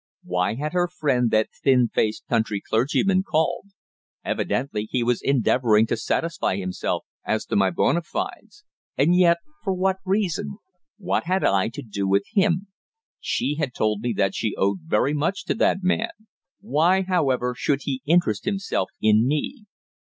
Why had her friend, that thin faced country clergyman, called? Evidently he was endeavouring to satisfy himself as to my bona fides. And yet, for what reason? What had I to do with him? She had told me that she owed very much to that man. Why, however, should he interest himself in me?